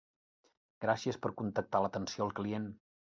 Gràcies per contactar l'atenció al client.